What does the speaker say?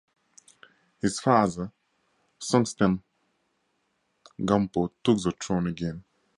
His father, Songtsen Gampo, took the throne again.